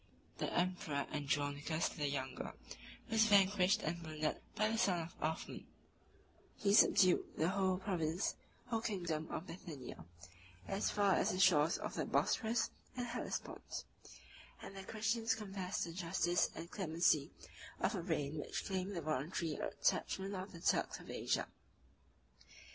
The emperor Andronicus the Younger was vanquished and wounded by the son of Othman: 42 421 he subdued the whole province or kingdom of Bithynia, as far as the shores of the Bosphorus and Hellespont; and the Christians confessed the justice and clemency of a reign which claimed the voluntary attachment of the Turks of Asia.